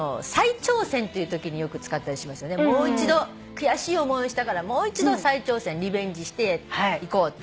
悔しい思いをしたからもう一度再挑戦リベンジしていこうって。